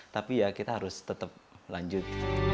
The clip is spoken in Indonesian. tapi ya kita harus tetap lanjut